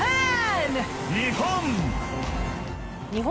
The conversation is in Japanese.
日本！